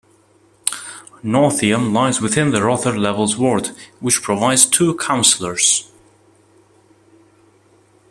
Northiam lies within the Rother Levels ward, which provides two councillors.